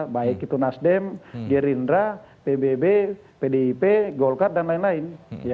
baik itu nasdem gerindra pbb pdip golkar dan lain lain